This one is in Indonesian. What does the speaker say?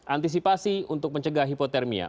antisipasi untuk mencegah hipotermia